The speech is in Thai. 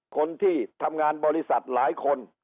คนที่ทำงานบริษัทหลายคน